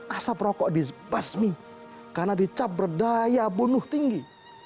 asap rokok dibasmi karena dicap berdaya bunuh tinggi